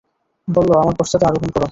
বলল, আমার পশ্চাতে আরোহণ কর।